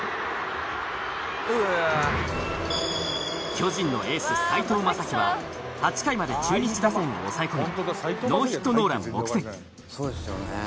巨人のエース斎藤雅樹は８回まで中日打線を抑え込みノーヒットノーラン目前。